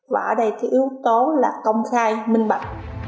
và ở đây thì yếu tố là công khai minh bạch